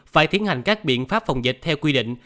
phải tiến hành các biện pháp phòng dịch theo quy định